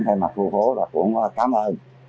thay mặt khu phố cũng cảm ơn